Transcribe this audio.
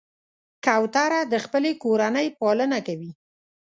کوتره د خپلې کورنۍ پالنه کوي.